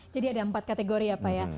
jadi ada empat kategori ya pak ya